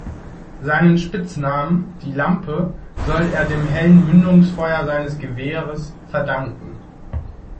Seinen Spitznamen, die Lampe, soll er dem hellen Mündungsfeuer seines Gewehrs verdanken.